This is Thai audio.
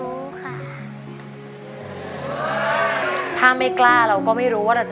คุณยายแดงคะทำไมต้องซื้อลำโพงและเครื่องเสียง